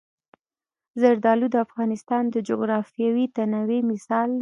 زردالو د افغانستان د جغرافیوي تنوع مثال دی.